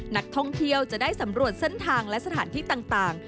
นักท่องเที่ยวจะได้สำรวจเส้นทางและสถานที่ต่าง